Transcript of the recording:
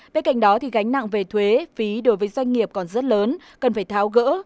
bên cạnh đó gánh nặng về thuế phí đối với doanh nghiệp còn rất lớn cần phải tháo gỡ